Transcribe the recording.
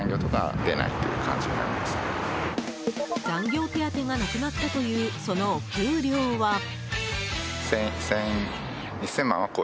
残業手当がなくなったというそのお給料は。